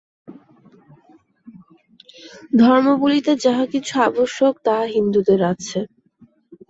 ধর্ম বলিতে যাহা কিছু আবশ্যক, তাহা হিন্দুদের আছে।